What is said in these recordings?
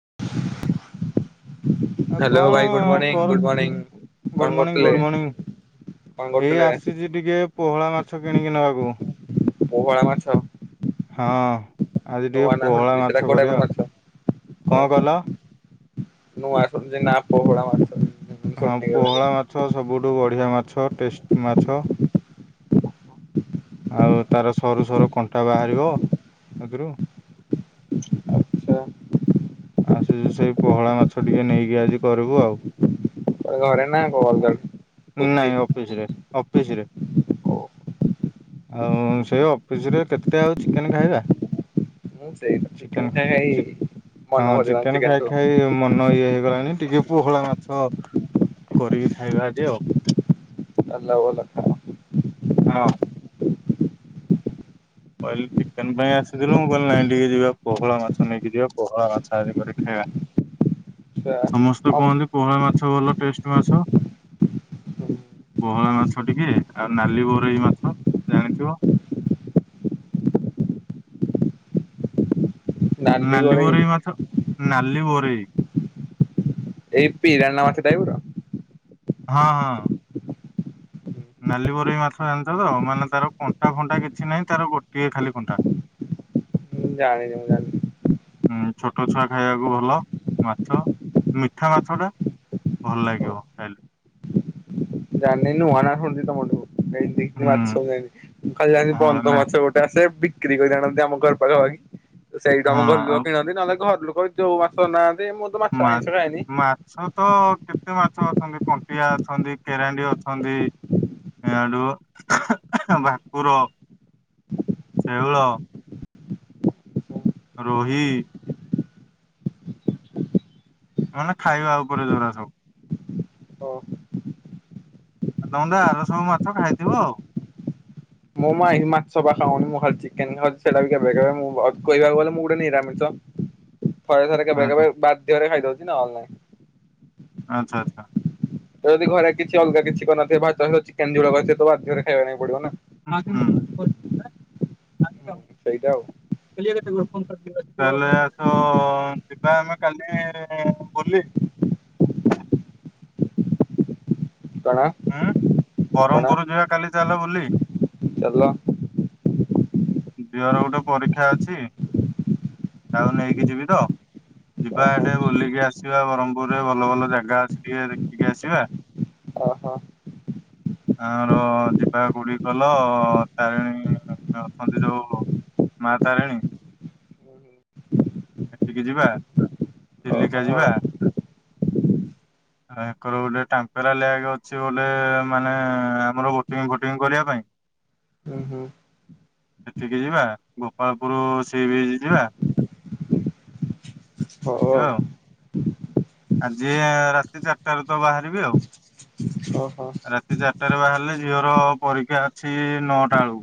[inaudible] ଆଉ ହ୍ୟାଲୋ ଭାଇ ଗୁଡ କଣ ମର୍ଣ୍ଣିଂ କରୁ ଗୁଡ ମର୍ଣ୍ଣିଂ କଣ ଗୁଡ ମର୍ଣିଂ କରୁଥିଲେ ଗୁଡ ମର୍ଣିଂ। କଣ ଏଇ କରୁଥିଲେ ଆସିଛି ଟିକେ ପୋହଳା ମାଛ କିଣିକି ନବାକୁ। ପୋହଳା ମାଛ ହଁ ଆଜି ଟିକେ ନୂଆ ନା ପୋହଳା ଶୁଣିଛି ସେଟା ମାଛ କୋଉ ଟାଇପର କରିବା ମାଛ କଣ କହିଲ ନଁ ଆସୁଣୁ ଯାଇ କିନା ପୋହଳା ମାଛ ହଁ ଶୁଣିନି କେବେ ପୋହଳା ମାଛ ସବୁଠୁ ବଢିଆ ମାଛ ଟେଷ୍ଟ ମାଛ। ଆଉ ତାର ସରୁ ସରୁ କଣ୍ଟା ବାହାରିବ ତାଥିରୁ। ଆଛା ଆସିଛୁ ସେଇ ପୋହଳା ମାଛ ଟିକେ ନେଇକି ଆଜି କରିବୁ ଆଉ। ଘରେ ନା ଅଲଗା ଭୋଜି ନାଇଁ ଅଫିସ ରେ ଅଫିସ ରେ। ଓ ଆଉ ସେ ଅଫିସରେ କେତେ ଆଉ ଚିକେନ ଖାଇବା। ହୁଁ ସେଇ ଚିକେନ ଖାଇ ଖାଇ ହଁ ମନ ଭରିଗଲାଣି ଚିକେନ ଖାଇ ଚିକେନଠୁ ଖାଇ ମନ ଇଏ ହେଇଗଲାଣି ଟିକେ ପୋହଳା ମାଛ କରିକି ଖାଇବା ଆଜି ଆଉ। [unintelligible] ଭଲ ହଁ। କହିଲି ଚିକେନ ପାଇଁ ଆସିଥିଲୁ ମୁଁ କହିଲି ନାଇଁ ଟିକେ ଯିବା ପୋହଳା ମାଛ ନେଇକି ଯିବା ପୋହଳା ମାଛ ଆଜି କରି ଖାଇବା ଆଛା ସମସ୍ତେ କୁହନ୍ତି ପୋହଳା ମାଛ ଭଲ ଟେଷ୍ଟ ମାଛ। ପୋହଳା ମାଛ ଟିକେ ଆଉ ନାଲି ବୋରେଇ ମାଛ ଜାଣିଥିବ ନାଲି ବରେଇ ମାଛ ନାଲି ବରେଇ ଏଇ ପିରାନ ମାଛ ଟାଇପ ର ହଁ ହଁ। ନାଲି ବରେଇ ମାଛ ଜାଣିଛ ତ ମାନେ ତାର କଣ୍ଟା ଫଣ୍ଟା କିଛି ନାହିଁ ତାର ଗୋଟିଏ ଖାଲି କଣ୍ଟା। ମୁଁ ଜାଣିନି [unintelligible] ଉଁ ଛୋଟ ଛୁଆ ଖାଇବାକୁ ଭଲ ମାଛ ମିଠା ମାଛ ଟା ଭଲ ଓ ଲାଗିବ ଖାଇଲେ। ଜାଣିନି ନୂଆ ନୂଆ ଶୁଣୁଚି ତମଠୁ। [unintelligible] ହୁଁ ମାଛ [unintelligible] ମୁଁ ଖାଲି ଯାନିଚି ହଁ ବନ୍ଦ ନାଇଁ ମାଛ ଗୋଟେ ଆସେ ବି କିଣିକରି କରି ଆଣନ୍ତି ଆମ ଘର ପାଖା ପାଖି ତ ସେଇଠୁ ଆମ ହଁ ଘର ଲୋକ ଆଉ କିଣନ୍ତି ନହେଲେ ଘରଲୋକ ଯୋଉ ମାସ ନା ମା ମାଛ ତ କେତେ ମାଛ ଅଛନ୍ତି କଣ୍ଟିଆ ଅଛନ୍ତି କେରାଣ୍ଡି ଅଛନ୍ତି ଏ ଆଡୁ ଭାକୁର ଶେଉଳ ରୋହି ମାନେ ଖାଇବା ଉପରେ ଜୋରା ସବୁ। ଓ [unintelligible] ର ସବୁ ମାଛ ଖାଇଥିବ ଆଉ। ମୁଁ ମାଇ ମାଛ ବା ପା ଖାଉନି ମୁଁ ଖାଲି ଚିକେନ ଖାଉଛି। ସେଇଟା ବି କେବେ କେବେ ମୁଁ କହିବାକୁ ଗଲେ ମୁଁ ଗୋଟେ ନିରାମିଷ। [inaudible] ଥରେ ଥରେ କେବେ କେବେ ବାଧ୍ୟରେ ଖାଇଦଉଛି ନ ହେଲେ ନାଇଁ। ଆଚ୍ଛା ଆଚ୍ଛା। ତ ଯଦି ଘରେ କିଛି ଅଲଗା କିଛି କରିନଥିବେ ଭାତ ସହ ଚିକେନ ଝୋଳ କରିଥିବେ ତ ବାଧ୍ୟରେ ଖାଇବା ଲାଗି ପଡିବ ନା। [unintelligible] ତାହେଲେ ହୁଁ ସେଇଟା ଆଉ ଆସ ଯିବା ଆମେ କାଲି ବୁଲି। [inaudible] କଣ ହୁଁ କଣ ବ୍ରହ୍ମପୁର ଯିବା କାଲି ଚାଲ ବୁଲି। ଚାଲ। ଝିଅର ଗୋଟେ ପରୀକ୍ଷା ଅଛି। ତାକୁ ନେଇକି ଯିବି ତ। ଯିବା ଓହୋ ଏଠେ ବୁଲିକି ଆସିବା ବ୍ରହ୍ମପୁରରେ ଭଲ ଭଲ ଜାଗା ଅଛି ଟିକେ ଦେଖିକି ଆସିବା। ଓହୋ। ଆମର ଯିବା ଗୁଡିକଲ ତାରିଣୀ ଘାଟ। ମନ୍ଦିରଉ ମା ତାରିଣୀ। ସେଠିକି ଯିବା ଚିଲିକା ଓହୋ ଯିବା। ଏକର ଗୋଟେ ଟାମ୍ପେରା ଲେକ୍ ଅଛି ଗୋଟେ ମାନେ ଆମର ବୋଟିଂ ଫୋଟିଙ୍ଗ କରିବା ପାଇଁ। [inaudible] ହୁଁ ହୁଁ। ସେଠିକି ଯିବା ଗୋପାଳପୁର ସିବିଚ୍ ଯିବା। ହଉ ଆଉ। ଆଜି ରାତି ଚାରିଟାରୁ ତ ବାହାରିବେ ଆଉ। ଓହୋ ରାତି ଚାରିଟାରେ ବାହାରିଲେ ଝିଅର ପରୀକ୍ଷା ଅଛି ନଅଟା ବେଳକୁ।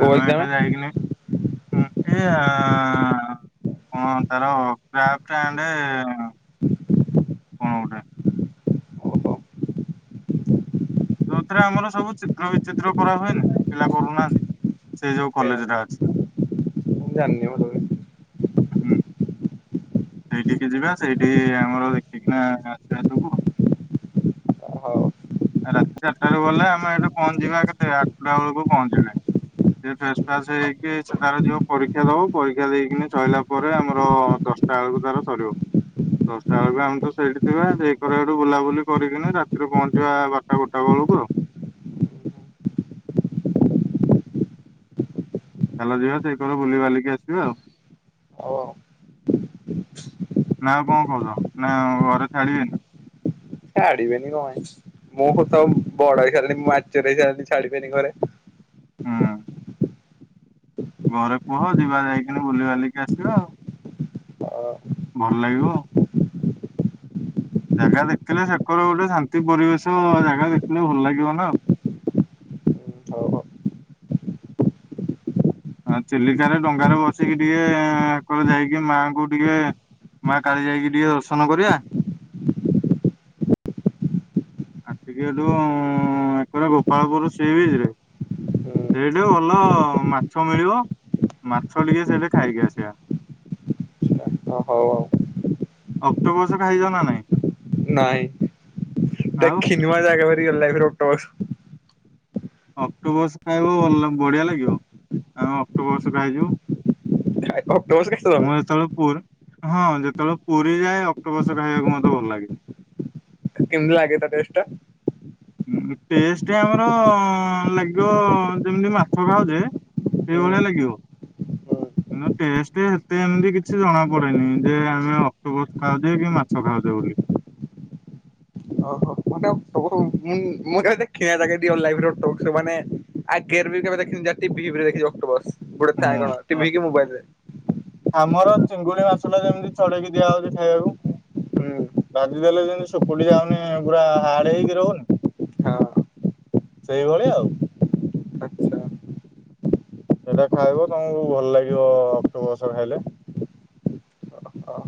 କୋଉ ଆମେ ଏକ୍ଜାମ? ଏଇଟା ଯାଇକିନି [unintelligible] କଣ ତାର କ୍ରାଫ୍ଟ ଆଣ୍ଡ କଣ ଗୋଟେ ଓହୋ ଯୋଉଥିରେ ଆମର ସବୁ ଚିତ୍ର ବିଚିତ୍ର କରା ହୁଏନି ପିଲା କରୁନାହାନ୍ତି। ସେ ଯୋଉ କେଜାଣି କଲେଜଟା ଅଛି। ମୁଁ ଜାଣିନି ମ [unintelligible] ହୁଁ। ସେଇଠିକି ଯିବା ସେଇଠି ଆମର ଦେଖିକିନା ଆସିବା ସବୁ ଆଉ। ହଉ। ରାତି ଚାରିଟାରୁୁ ଗଲେ ଆମେ ଏଇଠୁ ପହଞ୍ଚିବା କେତେ ଆଠଟା ବେଳକୁ ପହଞ୍ଚିବେ। ସେ ଫ୍ରେସ ଫ୍ରାସ ହେଇକି ସେଠାରେ ଯିବ ପରୀକ୍ଷା ଦବ ପରୀକ୍ଷା ଦେଇକିନି ସରିଲା ପରେ ଆମର ଦଶ ତା ବେଳକୁ ତାର ସରିବ। ଦଶଟା ବେଳକୁ ଆମେ ତ ସେଇଠି ଥିବା ସେଇ କର ଆଡ଼କୁ ବୁଲାବୁଲି କରିକିନା ରାତିରେ ପହଞ୍ଚିବା ବାରଟା ଗୋଟା ବେଳକୁ। [unintelligible] ଚାଲ ଯିବା ସେଇ କର ବୁଲିିବାଲିକି ଆସିବା ଆଉ। ହଉ ଆଉ ନା ଆଉ କଣ କହୁଛ ନା ଘରେ ଛାଡିବେନି? ଛାଡିବେନି କଣ ହେଇଛି? ମୁଁ କତ ବଡ ହେଇସାରିଲଣି ମ୍ୟାଚୁର୍ ହେଇସାରିଲିଣି ଛାଡିିବେନି ଘରେ ହୁଁ। ଘରେ କୁହ ଯିବା ଯାଇକିନି ବୁଲିିବାଲିକି ଆସିବା ଆଉ। ଅ ଭଲ ଲାଗିବ। ଜାଗା ଦେଖିଲେ ସେକର ଗୋଟେ ଶାନ୍ତି ପରିବେଶ ଜାଗା ଦେଖିଲେ ଭଲ ଲାଗିବ ନାଉ। ହଉ ହଉ ଆ ଚିଲିକାରେ ଡଙ୍ଗାରେ ବସିକି ଟିକେ ଯାଇକି ମାଙ୍କୁ ଟିକେ ମା କାଳି ଯାଇକି ଟିକେ ଦର୍ଶନ କରିବା। ଆସିକି ସେଇଠୁ ଏପଟ ଗୋପାଳପୁର ସିବିଚ୍ ରେ ହୁଁ ସେଇଠି ଭଲ ମାଛ ମିଳିବ ମାଛ ଟିକେ ସେଠି ଖାଇକି ଆସିବା। [inaudible] ଆଚ୍ଛା ହଉ ଆଉ। ଅକ୍ଟୋପସ୍ ଖାଇଛ ନା ନାଇ? ନାଇଁ ଆଉ ଦେଖିନି ମୁଁ ଆଜି ଯାଏ ରିଅଲ ଲାଇଫ ରେ ଅକ୍ଟୋପସ ଅକ୍ଟୋପସ୍ ଖାଇବ ଭଲ ବଢିଆ ଲାଗିବ ଆମେ ଅକ୍ଟୋପସ୍ ଖାଇଚୁ। ଅକ୍ଟୋପସ ଖାଇଛ ତମେ ମୁଁ ଯେତେବେଳେ ପୁରୀ ହଁ ଯେତେବେଳେ ପୁରୀ ଯାଏ ଅକ୍ଟୋପସ୍ ଖାଇବାକୁ ମତେ ଭଲ ଲାଗେ। କେମତି ଲାଗେ ତା ଟେଷ୍ଟ୍ ଟା? ଟେଷ୍ଟ ଆମର ଅ ଲାଗିବ ଯେମିତି ମାଛ ଖାଉଛେ ଏଇ ହୁଁ ଭଳିଆ ଲାଗିବ। ହୁଁ। [unintelligible] ଟେଷ୍ଟ ଏତେ ଏମିତି କିଛି ଜଣା ପଡେନି ଯେ ଆମେ ଅକ୍ଟୋପସ ଖାଉଛେ କି ମାଛ ଖାଉଛେ ବୋଲି। ଓହୋ [unintelligible] ମୁଁ କେ ଦେଖିନି [unintelligible] ମାନେ ଆଗେରେ କେବେ ଦେଖିନି [unintelligible] ଅଟୋବସ ଗୋଟେ ଥାଏ କଣ ଟି ହୁଁ ଭି କି ମୋବାଇଲ ରେ ଆମର ଚିଙ୍ଗୁଡି ମାଛଲ ଯେମିତି ଚଢେଇକି ଦିଆହଉଛି ଖାଇବାକୁ। ହୁଁ ଭାଜିଦେଲେ ଯେମତି ସୁକୁଟି ଯାଉନି ପୁରା ହାଡ ହେଇକି ରହୁନି। ହଁ ସେଇଭଳି ଆଉ ଆଚ୍ଛା ସେଇଟା ଖାଇବ ତମକୁ ଭଲ ଲାଗିବ ଅକ୍ଟୋପସ ଖାଇଲେ। ଓହୋ।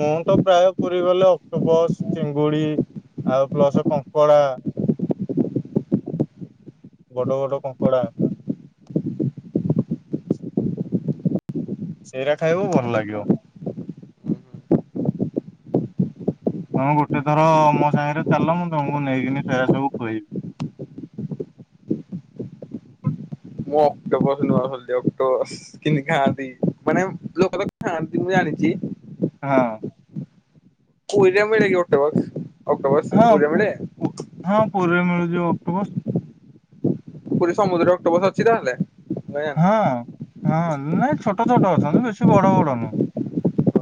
ମୁଁ ତ ପ୍ରାୟ ପୁରୀ ଗଲେ ଅକ୍ଟୋପସ ଚିଙ୍ଗୁଡି ଆଉ ପ୍ଲସ କଙ୍କଡା ବଡ ବଡ କଙ୍କଡ଼ା ସେଇଟା ଖାଇବୁ ଭଲ ଲାଗିବ। ତମେ ଗୋଟେ ଥର ମୋ ସାଙ୍ଗରେ ଚାଲ ମୁଁ ତମକୁ ନେଇକିନି ସେରା ସବୁ ଖୁଏଇବି। ନଆ [unintelligible] କିନ ଖାଆନ୍ତି ମାନେ ଲୋକ ତ ଖାଆନ୍ତି ମୁଁ ଜାଣିଛି। ହଁ। କୁରୀରେ ମିଳେ କି ଅକ୍ଟୋପସ ଅକ୍ଟୋପସ ହଁ ପୁରୀରେ ପୁ ମିଳେ? ପୁ ହଁ ପୁରୀରେ ମିଳୁଛି ଅକ୍ଟୋପସ। ପୁରୀ ସମୁଦ୍ରରେ ଅକ୍ଟୋପସ ଅଛି ତାହେଲେ। ମୁଁ ହଁ ଜାଣିନି। ହଁ ନାଇଁ ଛୋଟ ଛୋଟ ଅଛନ୍ତି ବେଶୀ ବଡ ବଡ ନୁହଁ।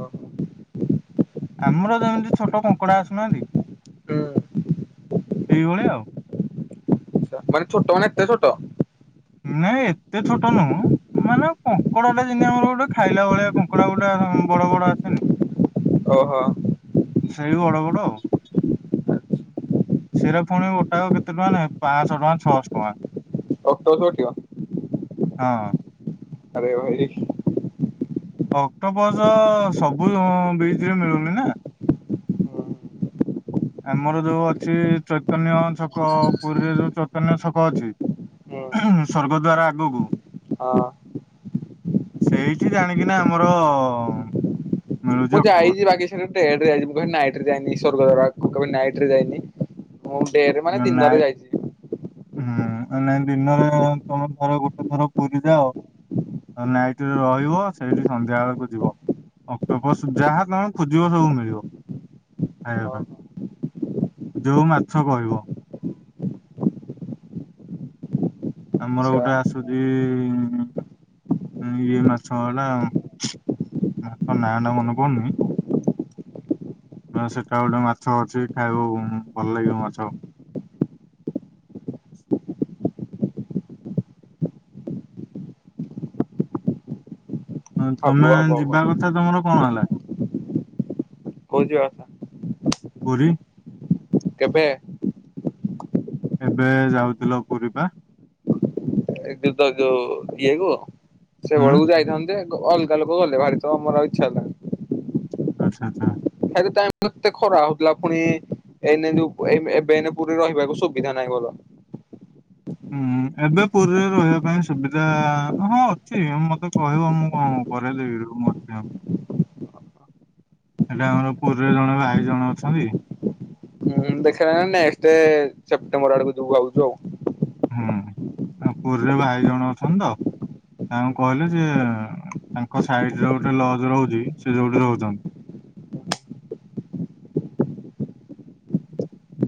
ଓହୋ ଆମର ଯେମିତି ଛୋଟ କଙ୍କଡା ଆସୁନାହାନ୍ତି। ହୁଁ ସେଇଭଳିଆ ଆଉ। ମାନେ ଛୋଟ ମାନେ ଏତେ ଛୋଟ। ନାଇଁ ଏତେ ଛୋଟ ନୁହଁ ମାନେ କଙ୍କଡାଟା ଯେମିତି ଆମର ଗୋଟେ ଖାଇଲା ଭଳିଆ କଙ୍କଡା ଗୋଟେ। ବଡ ବଡ ଆସେନି। ଓହୋ। ସେଇ ବଡ ବଡ ଆଉ। ସିରା ପୁଣି ଗୋଟାକ କେତେ ଟଙ୍କା ନେଖେ ପାଞ୍ଚଶହ ଟଙ୍କା ଛଅଶହ ଟଙ୍କା। ଅକ୍ଟୋପସ ଗୋଟିକ। ହଁ। ଆରେ ଭାଇ। ଅକ୍ଟୋପସ ସବୁ ବିଚ୍ ରେ ମିଳୁନି ନା। ଆମର ଯୋଉ ଅଛି ଚୈତନ୍ୟ ଛକ ପୁରୀରେ ଯୋଉ ଚୈତନ୍ୟ ଛକ ଅଛି। ହଁ। ସ୍ୱର୍ଗ ଦ୍ୱାର ଆଗକୁ। ସେଇଠି ଜାଣିକିନା ଆମର। ମିଳୁଛି ମୁଁ ଅକ୍ଟୋପସ ଯାଇଛି ବାକି ସେ ଡେ ରେ ଯାଇଛି। ମୁଁ ନାଇଟ ରେ ଯାଇନି ସ୍ୱର୍ଗଦ୍ୱାର ଆଗକୁ। କେବେ ନାଇଟ ରେ ଯାଇନି। ମୁଁ ଡେରେ ମାନେ ନାଇ ଦିନରେ ଯାଇଛି। ହୁଁ ଉଁ ନାଇଁ ଦିନରେ ତମେ ଥର ଗୋଟେ ଥର ପୁରୀ ଯାଅ। ନାଇଟରେ ରହିବ ସେଇଠି ସନ୍ଧ୍ୟା ବେଳକୁ ଯିବ। ଅକ୍ଟୋପସ ଯାହା ତମେ ଖୋଜିବ ସବୁ ମିଳିବ। ଖାଇବା ହଁ। ପାଇଁ। ଯୋଉ ମାଛ କହିବ। ଆମର ଆଚ୍ଛା ଗୋଟେ ଆସୁଛି। ହ ଏଇ ମଛ କଲା [inaudible] ତା ନା ମନେପଡ଼ୁନି। ସେଟା ଗୋଟେ ମାଛ ଅଛି ଖାଇବ ଭଲ ଲାଗିବ ମାଛ। [inaudible] ହ ହବ ତମେ ହବ ହବ ଯିବା କଥା ତମର କଣ ହେଲା? କୋଉ ଯିବା କଥା? ପୁରୀ। କେବେ ଏବେ ଯାଉଥିଲ ପୁରୀ ପା। ଏ ଯୁ ତ ଯୋଉ ଇଏ କୁ ସେ ହୁଁ ବେଳକୁ ଯାଇଥାନ୍ତେ। ଅଲଗା ଲୋକ ଗଲେ ଭାରି ତ ଆମରଉ ଇଚ୍ଛା ହେଲା। ଆଚ୍ଛା ଆଚ୍ଛା। କେତେ ଖରା ହଉଥିଲା ପୁଣି ଏେ ଯୋଉ ଏବେ ପୁରୀ ରହିବାକୁ ସୁବିଧା ନାହିଁ ଭଲ। ହ ହୁଁ ଏବେ ପୁରୀରେ ରହିବା ପାଇଁ ସୁବିଧା ହଁ ଅଛି ମତେ କହିବ ମୁଁ କଣ? ପରେ ଦେବି ର ମୁଁ ଆସି ହଁ। ଏଟା ଆମର ପୁରୀରେ ଜଣେ ଭାଇ ଜଣ ଅଛନ୍ତି। ଦେଖ ନ ସେପ୍ଟେମ୍ବର ଆଡକୁ ଯିବାଉଛୁ ଆଉ ହୁଁ ଆଉ ପୁରୀରେ ଭାଇ ଜଣ ଅଛନ୍ତି ତ। ତାଙ୍କୁ ଆଉ। କହିଲେ ଯେ ତାଙ୍କ ସାଇଡରେ ଗୋଟେ ଲଜ ରହୁଛି ସେ ଯୋଉଠି ରହୁଛନ୍ତି।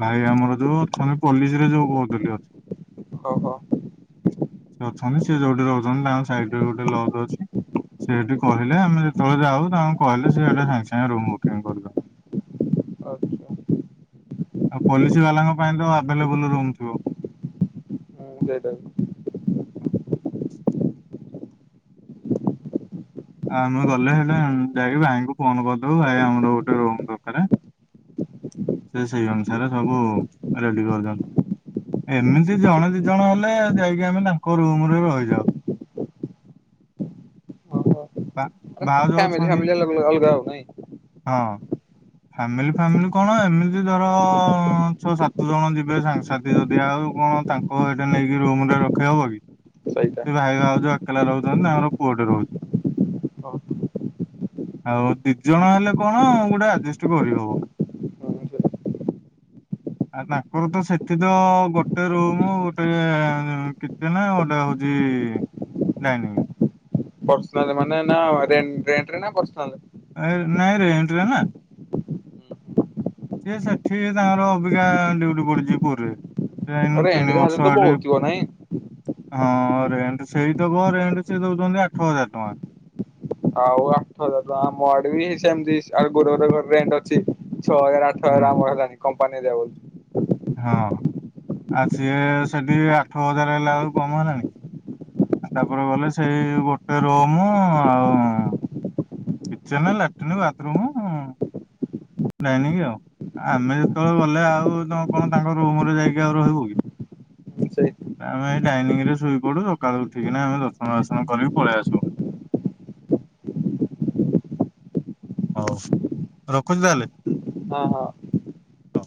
ଭାଇ ଆମର ଯୋଉ ଅଛମେ ପଲିସ ରେ ଯୋଉ କହୁଥିଲୁ ଅ [inaudible] ଓହୋ ସେ ଅଛନ୍ତି ସେ ଯୋଉଠିରେ ରହୁଛନ୍ତି ତାଙ୍କ ସାଇରେ ଗୋଟେ ଲଜ ଅଛି। ସେଠି କହିଲେ ଆମେ ଯେତେବେଳେ ଯାଉ ତାଙ୍କୁ କହିଲେ ସେଟା ସାଙ୍ଗେ ସାଙ୍ଗେ ରୁମ ବୁକିଂ କରିଦଉ। ଆଉ ହଉ ଆଉ ପଲିସି ବାଲାଙ୍କ ପାଇଁ ତ ଆଭଲେବୁଲ ରୁମ୍ ଥିବ। ହୁଁ ସେଇଟା ବି। [inaudible] ହଁ। ଆମେ ଗଲେ ହେଲା ଯାଇକି ଭାଇଙ୍କୁ ଫୋନ କରିଦବୁ ଭାଇ ଆମର ଗୋଟେ ରୁମ୍ ଦରକାର। ସେ ସେଇ ଅନୁସାରେ ସବୁ ରେଡି କରୁଛନ୍ତି। ଏମିତି ଜଣେ ଦି ଜଣ ହେଲେ ଯାଇକି ଆମେ ତାଙ୍କ ରୁମ ରେ ରହିଯାଉ। ଓହୋ। ପା ଫ୍ୟାମିଲି ଫାମିଲି ଅଲଗ ଅଲଗା ଆଉ ନାହିଁ। ହଁ। ଫ୍ୟାମିଲି ଫାମିଲି କଣ ଏମିତି ଧର ଛଅ ସାତ ଜଣ ଯିବେ ସାଙ୍ଗସାଥି ଯଦି ଆଉ। ତୁ କଣ ତାଙ୍କ ଏଇଟା ନେଇକି ରୁମ୍ ରେ ରଖେଇ ବୁ ବୋଲି। ସେଇଟା ସେ ଭାଇ ଭାଉଜ ଏକଲା ରହୁଛନ୍ତି ତାଙ୍କର ପୁଅ ଟେ ରହୁଛି। ହଁ। ଆଉ ଦି ଜଣ ହେଲେ କଣ ଗୋଟେ ଆଜେଷ୍ଟ କରିହବ। ହୁଁ ସେ ଆ ତାଙ୍କର ତ ସେଠି ତ ଗୋଟେ ରୁମ୍ ଗୋଟେ କିଚେନ ଆ ଗୋଟେ ହଉ ଛି ନାଇଁ ନାଇଁ। ପର୍ସନାଲ ମାନେ ନାରେଣ୍ଟରେ ନା ପର୍ସନାଲ? ଏ ନାଇଁରେ ଏଣ୍ଟରେ ନା ସେଏ ସେଠି ତାଙ୍କର ଅବିକା ଡଉଟି ପଡିଛି ପୁରୀରେ। ଏଇନା ରେଣ୍ଟ ତିନି ଯାହା ହେଲେ ତ ବର୍ଷ ଏଠି ବହୁତ ଥିବ ନାଇଁ? ହଁ ରେଣ୍ଟ ସେଇ ଦବ ରେଣ୍ଟ ସେ ଦଉଛନ୍ତି ଆଠ ହଜାର ଟଙ୍କା ଆଉ ଆଠ ହଜାର ଟଙ୍କ ମୋ ଆଡେ ବି ସେମତି ଆ ଗୋ ରେ ଅଛି। ଛଅ ହଜାର ଆଠ ହୁଁ ହଜାର ଆମର ହେଲାନଣି କମ୍ପାନୀ ଦେବ। ହଁ ଆଉ ସିଏ ସେଠି ଆଠ ହଜାର ହେଲା ବେଳକୁ କମ୍ ହେଲାଣି। ତାପରେ ଗଲେ ସେଇ ଗୋଟେ ରୁମ୍ ଆଉ କିଚେନ୍ ଲାଟ୍ରିନ୍ ବାଥରୁୁମ୍ ଡାଇନିଂ ଆଉ। ଆମେ ଯେତେବେଳେ ଗଲେ ଆଉ କଣ ତାଙ୍କ ରୁମରେ ଯାଇକି ଆଉ ରହିବୁ କି। ସେଇ ଆମେ ଏଇ ଡାଇନିଂ ରେ ଶୋଇପଡୁ ସକାଳୁ ଉଠିକିନା ଆମେ ଦନ୍ତ ବାର୍ସନ କରିକି ପଳେଇ ଆସୁ। ହଉ ରଖୁଛି ତାହେଲେ। ହଁ ହଁ। ହ।